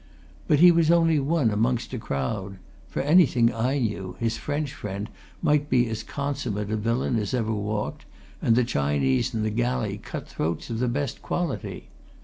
But he was only one amongst a crowd. For anything I knew, his French friend might be as consummate a villain as ever walked, and the Chinese in the galley cut throats of the best quality.